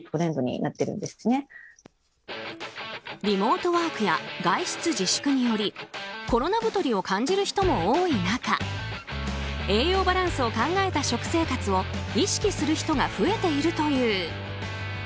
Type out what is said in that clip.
リモートワークや外出自粛によりコロナ太りを感じる人も多い中栄養バランスを考えた食生活を意識する人が増えているという。